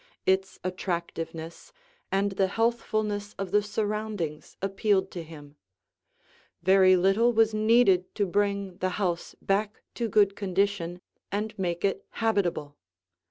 Its attractiveness and the healthfulness of the surroundings appealed to him. Very little was needed to bring the house back to good condition and make it habitable.